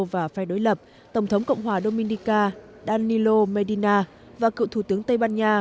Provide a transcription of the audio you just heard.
và phe đối lập tổng thống cộng hòa dominica danilo medina và cựu thủ tướng tây ban nha